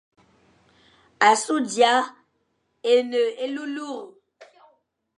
Asu d ia e ne élurélur.